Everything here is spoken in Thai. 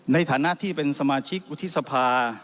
ในฐานะที่เป็นสมาชิกวุฒิษภาฯในฐานะดูปวันอเมีย